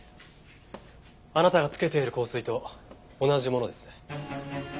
あなたがつけている香水と同じものです。